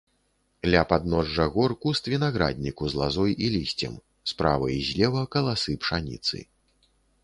Ля падножжа гор куст вінаградніку з лазой і лісцем, справа і злева каласы пшаніцы.